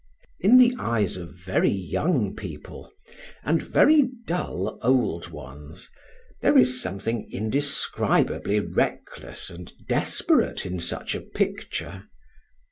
In the eyes of very young people, and very dull old ones, there is something indescribably reckless and desperate in such a picture.